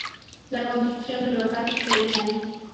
La construcción duró casi seis años.